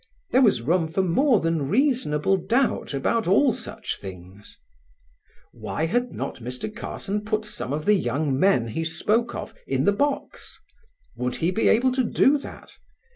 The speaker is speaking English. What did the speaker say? There was room for more than reasonable doubt about all such things. Why had not Mr. Carson put some of the young men he spoke of in the box? Would he be able to do that?